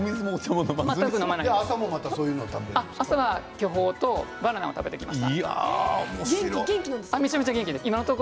巨峰とバナナを食べてきました。